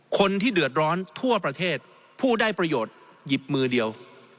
คนที่เดือดร้อนทั่วประเทศผู้ได้ประโยชน์หยิบมือเดียว